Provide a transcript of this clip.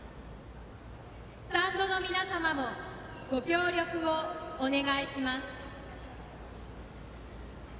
スタンドの皆様もご協力をお願いします。